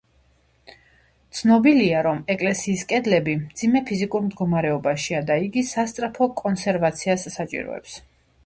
ცნობილია, რომ ეკლესიის კედლები მძიმე ფიზიკურ მდგომარეობაშია და იგი სასწრაფო კონსერვაციას საჭიროებს.